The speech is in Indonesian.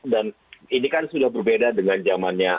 dan ini kan sudah berbeda dengan zamannya